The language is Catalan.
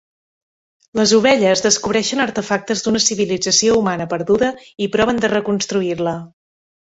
Les ovelles descobreixen artefactes d'una civilització humana perduda i proven de reconstruir-la.